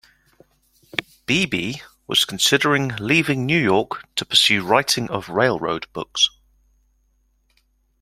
Beebe was considering leaving New York to pursue writing of railroad books.